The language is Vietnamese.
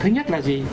thứ nhất là gì